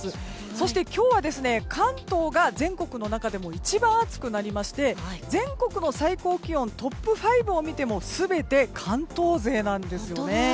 そして、今日は関東が全国の中でも一番暑くなりまして全国の最高気温トップ５を見ても全て関東勢なんですよね。